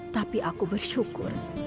tapi aku bersyukur